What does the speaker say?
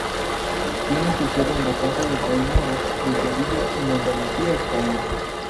Tiene su sede en la Casa del Rey Moro de Sevilla, en Andalucía, España.